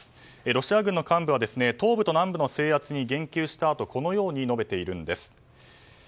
ロシア軍の幹部は東部と南部の制圧に言及したあとこのように述べています。